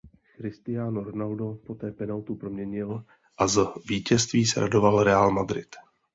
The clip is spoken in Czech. Cristiano Ronaldo poté penaltu proměnil a z vítězství se radoval Real Madrid.